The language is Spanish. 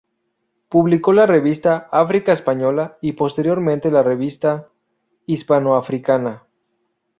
Publicó la revista "África Española" y, posteriormente la "Revista Hispano-Africana".